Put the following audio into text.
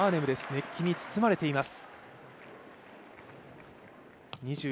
熱気に包まれています。